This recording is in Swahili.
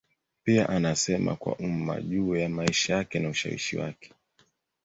Pia anasema kwa umma juu ya maisha yake na ushawishi wake.